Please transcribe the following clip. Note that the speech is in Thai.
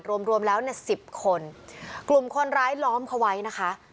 รวมรวมแล้วเนี่ยสิบคนกลุ่มคนร้ายล้อมเขาไว้นะคะ